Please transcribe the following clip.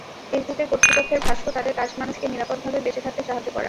ফেসবুকের কর্তৃপক্ষের ভাষ্য, তাঁদের কাজ মানুষকে নিরাপদভাবে বেঁচে থাকতে সাহায্য করা।